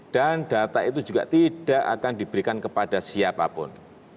dan data itu juga tidak akan diberikan kepada siapapun